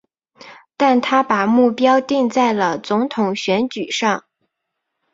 但他把目标定在了总统选举上。